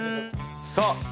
さあ。